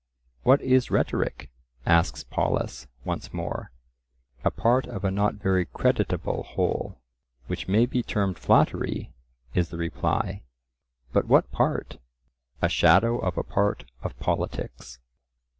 "What is rhetoric?" asks Polus once more. A part of a not very creditable whole, which may be termed flattery, is the reply. "But what part?" A shadow of a part of politics.